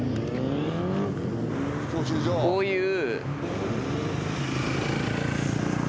こういう。